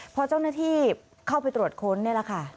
พอเจ้าหน้าที่เข้าไปตรวจค้นนี่แหละค่ะ